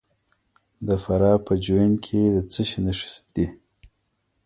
د فراه په جوین کې د څه شي نښې دي؟